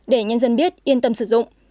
để nhân dân biết yên tâm sử dụng